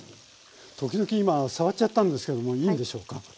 時々今触っちゃったんですけどもいいんでしょうか？